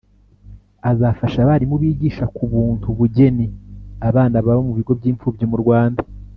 azafasha abarimu bigisha ku buntu ubugeni abana baba mu bigo by’imfubyi mu Rwanda